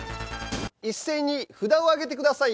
一斉に札を上げてください。